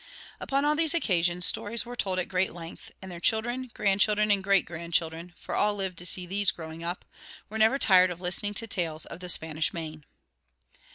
Upon all these occasions stories were told at great length, and their children, grandchildren, and great grandchildren, for all lived to see these growing up, were never tired of listening to tales of the Spanish Main.